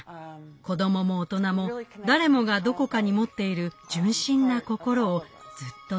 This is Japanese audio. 子供も大人も誰もがどこかに持っている純真な心をずっと大切にした人なのです。